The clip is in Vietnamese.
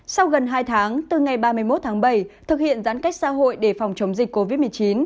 sau gần hai tháng từ ngày ba mươi một tháng bảy thực hiện giãn cách xã hội để phòng chống dịch covid một mươi chín